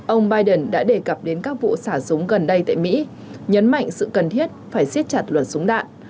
ông biden đã đề cập đến các vụ xả súng gần đây tại mỹ nhấn mạnh sự cần thiết phải siết chặt luật súng đạn